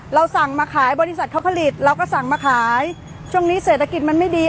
เราสั่งมาขายบริษัทเขาผลิตเราก็สั่งมาขายช่วงนี้เศรษฐกิจมันไม่ดี